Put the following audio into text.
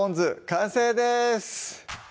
完成です